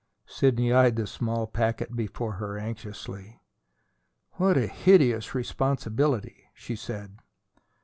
Sidney eyed the small packet before her anxiously. "What a hideous responsibility!" she said.